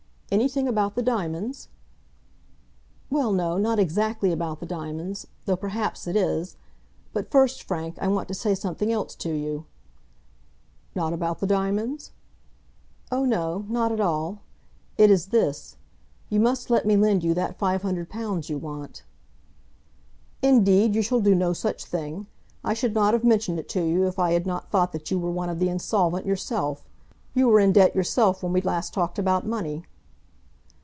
"Anything about the diamonds?" "Well, no; not exactly about the diamonds; though perhaps it is. But first, Frank, I want to say something else to you." "Not about the diamonds?" "Oh no; not at all. It is this. You must let me lend you that five hundred pounds you want." "Indeed you shall do no such thing. I should not have mentioned it to you if I had not thought that you were one of the insolvent yourself. You were in debt yourself when we last talked about money."